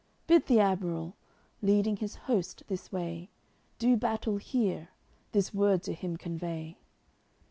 Bid the admiral, leading his host this way, Do battle here; this word to him convey."